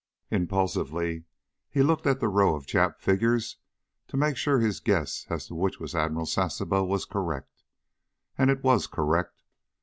Impulsively he looked at the row of Jap figures to make sure his guess as to which was Admiral Sasebo was correct. And it was correct.